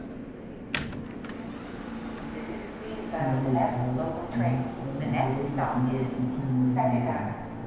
An Anglophile, Mommsen very much enjoyed teaching and living in Britain.